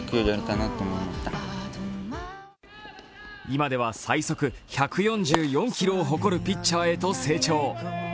今では最速１４４キロを誇るピッチャーへと成長。